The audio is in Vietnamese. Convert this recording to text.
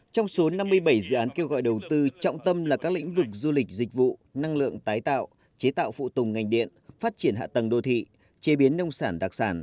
trong số năm mươi bảy dự án kêu gọi đầu tư trọng tâm là các lĩnh vực du lịch dịch vụ năng lượng tái tạo chế tạo phụ tùng ngành điện phát triển hạ tầng đô thị chế biến nông sản đặc sản